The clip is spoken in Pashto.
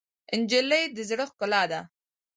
نجلۍ د زړه ښکلا ده.